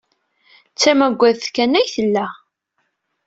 D tamaggadt kan ay tella.